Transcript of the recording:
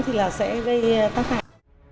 thì là sẽ gây tác phẩm